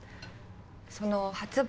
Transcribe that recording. その発売